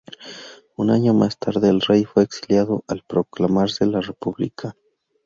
Un año más tarde el rey fue exiliado al proclamarse la república.